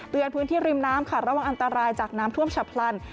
เตือนพื้นที่ริมน้ำระหว่างอันตรายจากน้ำท่วมฉับพลัน